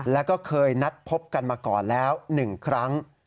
แล้วก็เคยนัดพบกันมาก่อนแล้ว๑ครั้ง